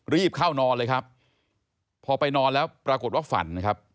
รีบเข้านอนเลยครับพอไปนอนแล้วปรากฏว่าฝันนะครับ